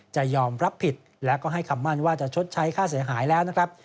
จะยอมรับผิดและก็ให้คำมั่นว่าจะชดใช้ค่าเสียหายแล้วนะครับ